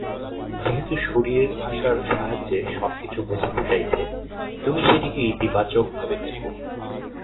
যেহেতু শরীরের ভাষার সাহায্যে সবকিছু বোঝাতে চাইছে, তুমি সেটিকে ইতিবাচকভাবে দেখো।